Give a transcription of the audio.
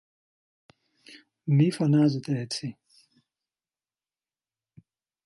Μη φωνάζετε έτσι!